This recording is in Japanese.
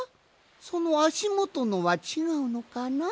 そのあしもとのはちがうのかな？